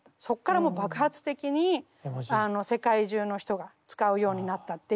そこから爆発的に世界中の人が使うようになったっていう。